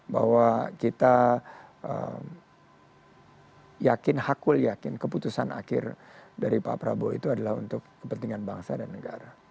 bahwa kita yakin hakul yakin keputusan akhir dari pak prabowo itu adalah untuk kepentingan bangsa dan negara